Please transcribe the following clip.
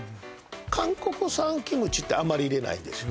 韓国産キムチってあまり入れないんですよ